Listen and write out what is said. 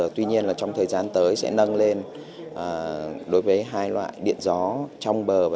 tuy nhiên là trong thời gian tới sẽ nâng lên đối với hai loại điện gió trong bờ